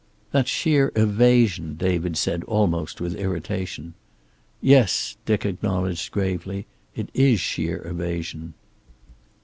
"That's sheer evasion," David said, almost with irritation. "Yes," Dick acknowledged gravely. "It is sheer evasion."